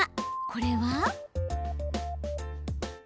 これは？